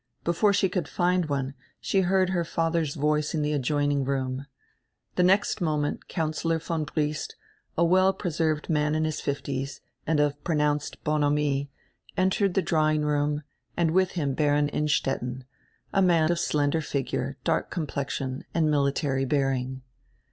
Before she could find one she heard her father's voice in the adjoining room. The next moment Councillor von Briest, a well preserved man in the fifties, and of pronounced bonhomie, entered die drawing room, and with him Baron Innstetten, a man of slender figure, dark complexion, and military bearing.